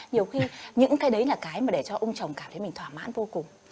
nhiều khi những cái đấy là cái mà để cho ông chồng cảm thấy mình thỏa mãn vô cùng